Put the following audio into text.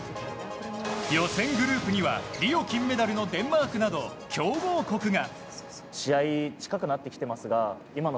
予選グループにはリオ金メダルのデンマークなど強豪国が。